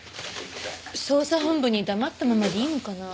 捜査本部に黙ったままでいいのかな？